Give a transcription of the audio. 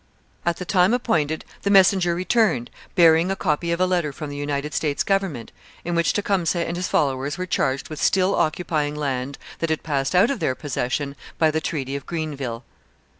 At the time appointed the messenger returned, bearing a copy of a letter from the United States government, in which Tecumseh and his followers were charged with still occupying land that had passed out of their possession by the Treaty of Greenville.